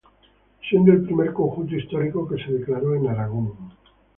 Siendo el primer conjunto histórico que se declaró en Aragón.